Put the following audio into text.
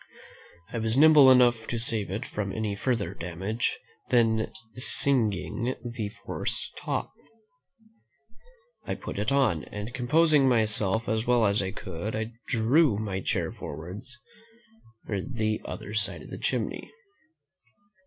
I was nimble enough to save it from any further damage than singeing the fore top. I put it on; and composing myself as well as I could, I drew my chair towards the other side of the chimney.